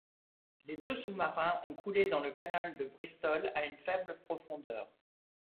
Les deux sous-marins ont coulé dans le canal de Bristol, à une faible profondeur.